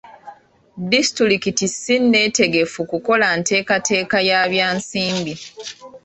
Disitulikiti ssi nneetegefu kukola nteekateeka ya bya nsimbi.